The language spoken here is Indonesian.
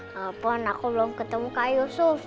walaupun aku belum ketemu kak yusuf